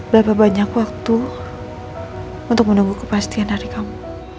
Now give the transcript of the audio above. berapa banyak waktu untuk menunggu kepastian hari kamu